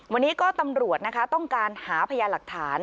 วันนี้ก็ตำรวจนะคะต้องการหาพยานหลักฐาน